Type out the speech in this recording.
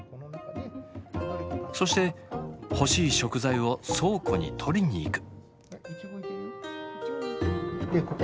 そして欲しい食材を倉庫に取りに行く。